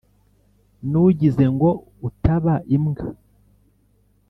Nugize ngo utaba imbwa